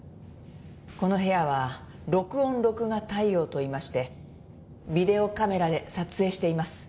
この部屋は録音・録画対応と言いましてビデオカメラで撮影しています。